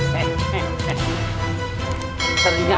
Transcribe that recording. tapi sehingga kau disederhana